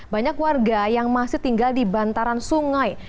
banyak warga yang masih tinggal di bantaran sungai